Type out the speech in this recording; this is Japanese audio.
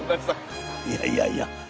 いやいやいや